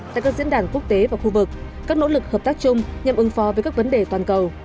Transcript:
tại các diễn đàn quốc tế và khu vực các nỗ lực hợp tác chung nhằm ứng phó với các vấn đề toàn cầu